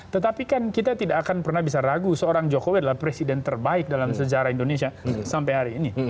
tetapi kan kita tidak akan pernah bisa ragu seorang jokowi adalah presiden terbaik dalam sejarah indonesia sampai hari ini